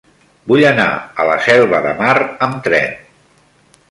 Vull anar a la Selva de Mar amb tren.